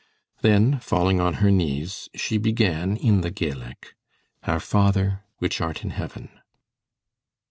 Then, falling on her knees, she began in the Gaelic, "Our Father which art in Heaven."